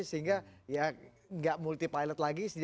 sehingga ya nggak multi pilot lagi